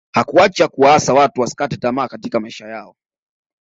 hakuacha kuwaasa watu wasikate tamaa katika maisha yao